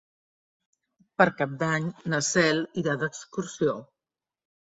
Per Cap d'Any na Cel irà d'excursió.